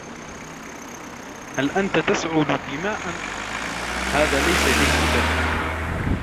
هل أنتَ تسعل دماء ؟ هذا ليس جيداً.